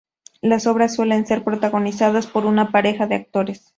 Las obras suelen ser protagonizadas por una pareja de actores.